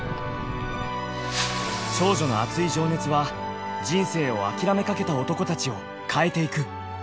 少女のアツい情熱は人生を諦めかけた男たちを変えていく！